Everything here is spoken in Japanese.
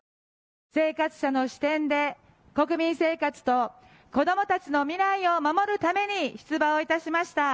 生活者の視点で、国民生活と子どもたちの未来を守るために出馬をいたしました。